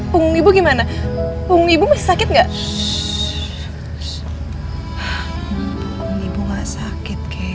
punggung ibu gak sakit kek